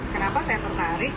kenapa saya tertarik